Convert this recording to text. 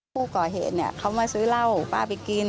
ผู้ก่อเหตุเขามาซื้อเหล้าป้าไปกิน